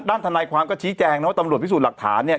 ทนายความก็ชี้แจงนะว่าตำรวจพิสูจน์หลักฐานเนี่ย